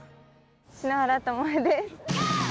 篠原ともえです。